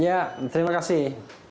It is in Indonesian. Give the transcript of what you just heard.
ya terima kasih